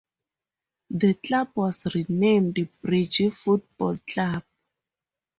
The club was renamed "Bridge Football Club".